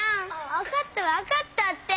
わかったわかったって！